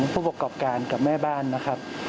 ผู้ประกอบการกับแม่บ้านนะครับ